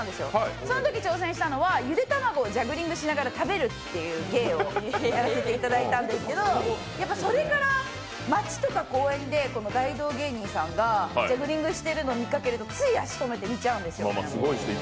そのとき挑戦したのはゆで卵をジャグリングしながら食べるという芸をやらせていただいたんですけとそれから街とか公園で大道芸人さんがジャグリングしているのを見かけると、つい、足止めて見ちゃうんですよ。